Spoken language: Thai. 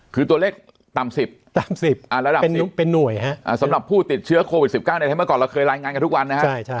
คือตัวเลขต่ำ๑๐ต่ำ๑๐ระดับเป็นหน่วยสำหรับผู้ติดเชื้อโควิด๑๙ในไทยเมื่อก่อนเราเคยรายงานกันทุกวันนะครับ